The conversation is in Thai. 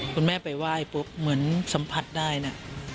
คุณแม่ไปไหว้ปุ๊บเหมือนสัมผัสได้นะ